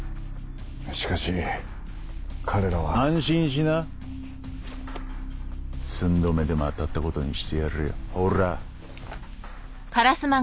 しかし彼らは安心しな寸止めでも当たったことにしてやるよほら！